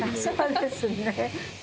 そうですね。